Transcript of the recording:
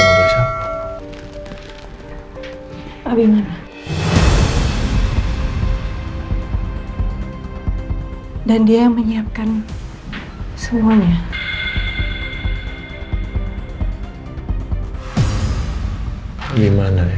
maafin saya basah gini dapet duit dia tuh babanya